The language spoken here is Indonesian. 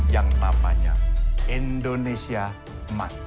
yang namanya indonesia emas